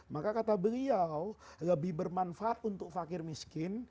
maka kata beliau lebih bermanfaat untuk fakir miskin